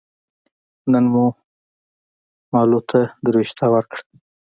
نن مو مالو ته دروشته ور کړه